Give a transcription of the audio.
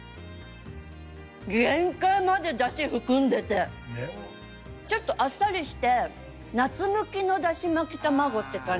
限界までだし含んでてちょっとあっさりして夏向きのだしまき玉子って感じ。